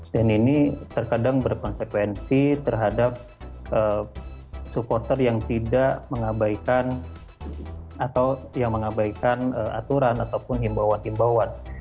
ini terkadang berkonsekuensi terhadap supporter yang tidak mengabaikan atau yang mengabaikan aturan ataupun himbauan himbauan